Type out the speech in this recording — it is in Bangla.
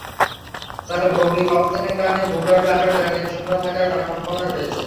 তবে ভৌগোলিক অবস্থানের কারণে ভূগর্ভে আরও প্রাকৃতিক সম্পদ থাকার অনেক সম্ভাবনা রয়েছে।